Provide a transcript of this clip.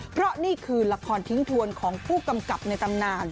เพราะนี่คือละครทิ้งทวนของผู้กำกับในตำนาน